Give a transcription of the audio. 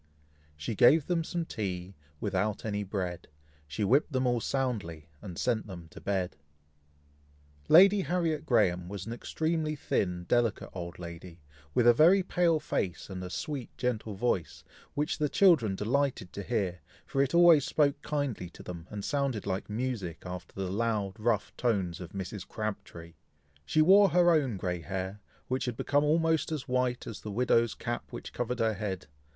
She gave them some tea without any bread, She whipp'd them all soundly, and sent them to bed. Nursery Rhymes. Lady Harriet Graham was an extremely thin, delicate, old lady, with a very pale face, and a sweet gentle voice, which the children delighted to hear, for it always spoke kindly to them, and sounded like music, after the loud, rough tones of Mrs. Crabtree. She wore her own grey hair, which had become almost as white as the widow's cap which covered her head.